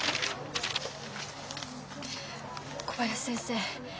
小林先生